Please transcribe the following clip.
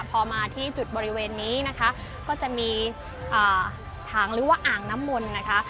พอมาที่จุดบริเวณนี้นะคะก็จะมีถังหรือว่าอ่างน้ำมนต์นะคะ